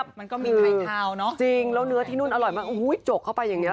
แต่จะได้กินรึเปล่ายังไง